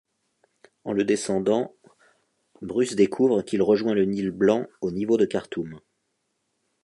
En le descendant, Bruce découvre qu'il rejoint le Nil blanc au niveau de Khartoum.